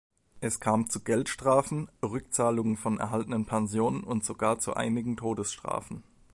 Es kam zu Geldstrafen, Rückzahlungen von erhaltenen Pensionen und sogar zu einigen Todesstrafen.